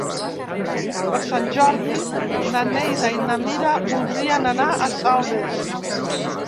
Per Sant Jordi na Neida i na Mira voldrien anar a Saldes.